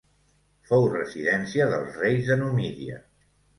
Fou residència dels reis de Numídia.